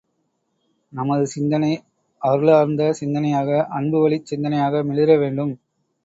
நமது சிந்தனை அருளார்ந்த சிந்தனையாக அன்புவழிச் சிந்தனையாக மிளிர வேண்டும்.